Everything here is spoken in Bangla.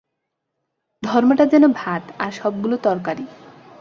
ধর্মটা যেন ভাত, আর সবগুলো তরকারি।